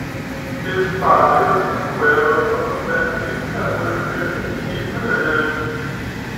His father was a "vaquero" from a family of cattle workers and sheepherders.